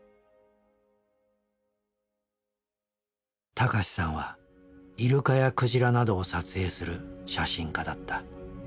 孝さんはイルカやクジラなどを撮影する写真家だった。